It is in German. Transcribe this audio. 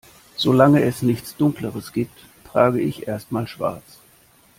Solange es nichts Dunkleres gibt, trage ich erst mal Schwarz.